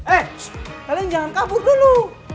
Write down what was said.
eits kalian jangan kabur dulu